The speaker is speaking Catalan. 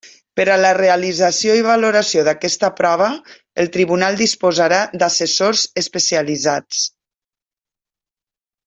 Per a la realització i valoració d'aquesta prova el Tribunal disposarà d'assessors especialitzats.